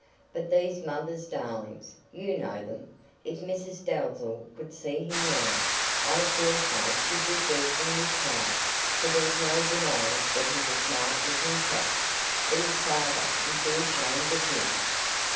"But these mother's darlings you know them. If Mrs Dalzell could see him now, I daresay she'd be bursting with pride, for there's no denying that he's a smart looking chap. But his father would be ashamed of him."